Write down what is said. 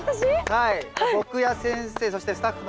はい。